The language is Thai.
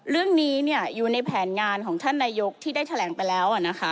เรื่องนี้อยู่ในแผนงานของท่านนายกที่ได้แถลงไปแล้วนะคะ